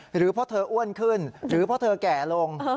หรือเพราะเธออ้วนขึ้นหรือเพราะเธอแก่ลง